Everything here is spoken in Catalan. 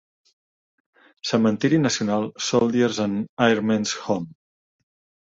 Cementiri nacional Soldiers' and Airmen's Home.